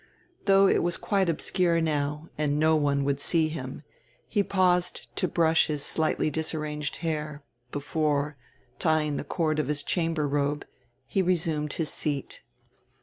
Though it was quite obscure now, and no one would see him, he paused to brush his slightly disarranged hair, before tying the cord of his chamber robe he resumed his seat.